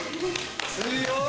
強い！